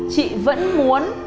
chị vẫn muốn